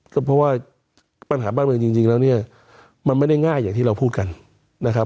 ก็เพราะว่าปัญหาบ้านเมืองจริงแล้วเนี่ยมันไม่ได้ง่ายอย่างที่เราพูดกันนะครับ